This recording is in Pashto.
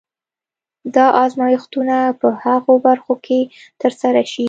دا ازمایښتونه په هغو برخو کې ترسره شي.